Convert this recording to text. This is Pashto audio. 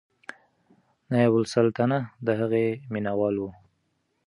نایبالسلطنه د هغې مینهوال و.